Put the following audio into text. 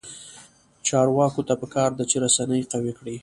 چارواکو ته پکار ده چې، رسنۍ قوي کړي.